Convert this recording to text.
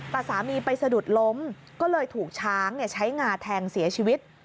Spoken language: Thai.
แต่สามีไปสะดุดล้มก็เลยถูกช้างใช้งาแทงเสียชีวิต